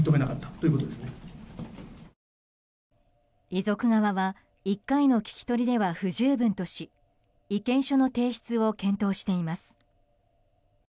遺族側は１回の聞き取りでは不十分とし意見書の提出を検討しています。